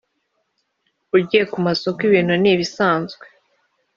ugiye ku masoko ibintu ni ibisanzwe